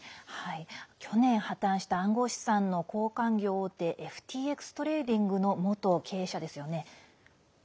去年、破綻した暗号資産の交換業大手ＦＴＸトレーディングの元経営者ですよね。